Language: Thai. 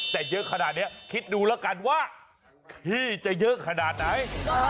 แต่เยอะขนาดนี้คิดดูแล้วกันว่าพี่จะเยอะขนาดไหน